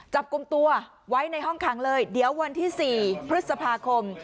จับกลุ่มตัวไว้ในห้องขังเลยเดี๋ยววันที่๔พฤษภาคม